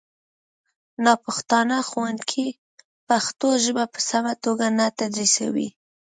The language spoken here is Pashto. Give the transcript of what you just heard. ناپښتانه ښوونکي پښتو ژبه په سمه توګه نه تدریسوي